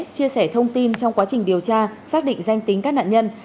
chia sẻ thông tin trong quá trình điều tra xác định danh tính các nạn nhân